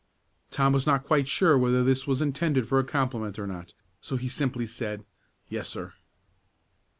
Tom was not quite sure whether this was intended for a compliment or not, so he simply said, "Yes, sir."